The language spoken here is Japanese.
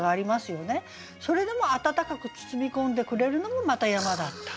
それでも温かく包み込んでくれるのもまた山だった。